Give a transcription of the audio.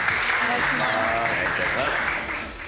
お願いいたします。